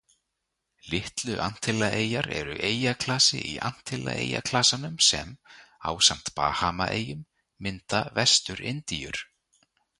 Litlu-Antillaeyjar eru eyjaklasi í Antillaeyjaklasanum sem, ásamt Bahamaeyjum, mynda Vestur-Indíur.